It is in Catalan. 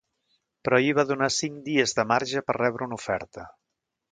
però ahir va donar cinc dies de marge per rebre una oferta